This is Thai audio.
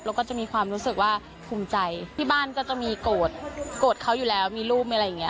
แล้วก็จะมีความรู้สึกว่าภูมิใจที่บ้านก็จะมีโกรธโกรธเขาอยู่แล้วมีรูปมีอะไรอย่างนี้